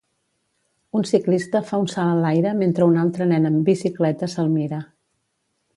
Un ciclista fa un salt a l'aire mentre un altre nen amb bicicleta se'l mira.